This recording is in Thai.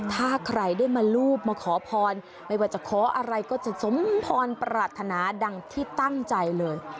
ถ้าใครได้มารูปมาขอพรไม่ว่าจะขออะไรก็จะสมพรปรารถนาดังที่ตั้งใจเลย